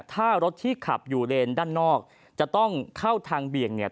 ถ้ารถที่ขับอยู่เลนด้านนอกจะต้องเข้าทางเบี่ยงเนี่ย